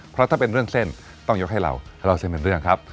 เพราะถ้าเป็นเรื่องเส้นต้องยกให้เราและเล่าเส้นเป็นเรื่องครับ